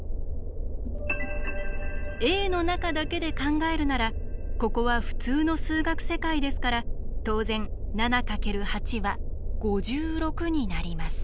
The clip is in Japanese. Ａの中だけで考えるならここは普通の数学世界ですから当然７×８は５６になります。